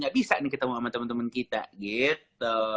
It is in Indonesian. gak bisa nih ketemu sama temen temen kita gitu